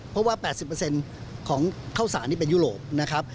เพราะว่า๘๐ของข้าวสารนี่เป็นยุโรปนะครับ